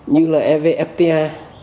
như là evfta